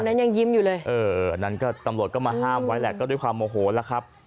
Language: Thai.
นั้นยังยิ้มอยู่เลยเอออันนั้นก็ตำรวจก็มาห้ามไว้แหละก็ด้วยความโมโหแล้วครับ